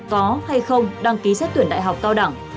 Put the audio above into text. có hay không đăng ký xét tuyển đại học cao đẳng